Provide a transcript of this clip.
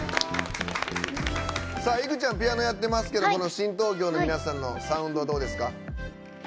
いくちゃんピアノやってますけどこの新東京の皆さんのサウンドどうですか？